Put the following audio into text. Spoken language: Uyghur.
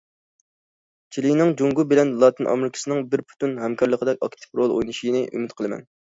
چىلىنىڭ جۇڭگو بىلەن لاتىن ئامېرىكىسىنىڭ بىر پۈتۈن ھەمكارلىقىدا ئاكتىپ رول ئوينىشىنى ئۈمىد قىلىمەن.